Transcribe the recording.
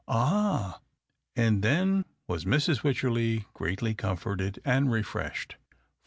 "Ah!" And then was Mrs. Wycherley greatly com forted and refreshed.